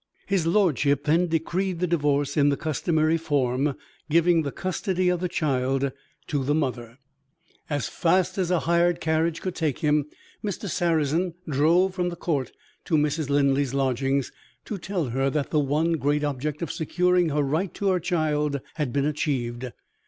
His lordship then decreed the Divorce in the customary form, giving the custody of the child to the mother. As fast as a hired carriage could take him, Mr. Sarrazin drove from the court to Mrs. Linley's lodgings, to tell her that the one great object of securing her right to her child had been achieved.